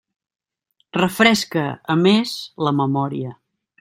Refresca, a més, la memòria.